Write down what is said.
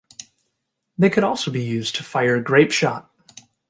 They could also be used to fire grapeshot.